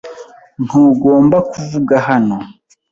Ntugomba kuvuga hano.